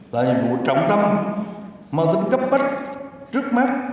là nhiệm vụ trọng tâm mang tính cấp bách trước mắt